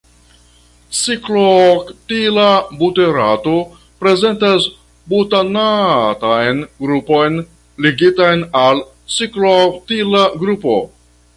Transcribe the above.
Ciklooktila buterato prezentas butanatan grupon ligitan al ciklooktila grupo.